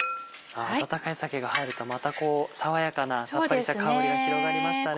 温かい鮭が入るとまた爽やかなさっぱりした香りが広がりましたね。